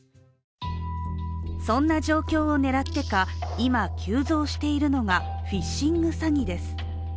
そんな状況を狙ってか、今、急増しているのがフィッシング詐欺です。